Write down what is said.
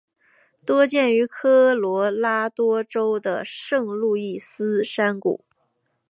多见于科罗拉多州的圣路易斯山谷。